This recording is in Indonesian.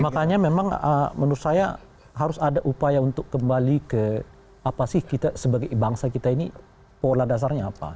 makanya memang menurut saya harus ada upaya untuk kembali ke apa sih kita sebagai bangsa kita ini pola dasarnya apa